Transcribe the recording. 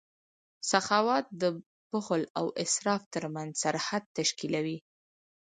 سخاوت د بخل او اسراف ترمنځ سرحد تشکیلوي.